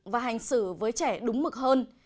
và hành xử với trẻ đúng mực hơn